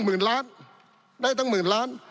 ปี๑เกณฑ์ทหารแสน๒